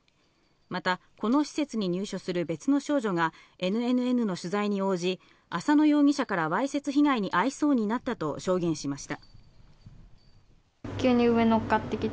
また、この施設に入所する別の少女がＮＮＮの取材に応じ、浅野容疑者からわいせつ被害に遭いそうになったと証言しました。